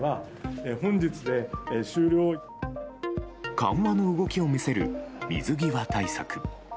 緩和の動きを見せる水際対策。